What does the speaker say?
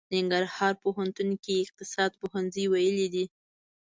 ننګرهار پوهنتون کې يې اقتصاد پوهنځی ويلی دی.